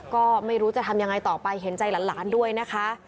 ก็ไม่รู้จะทำยังไงต่อไปเห็นใจหลานด้วยนะคะ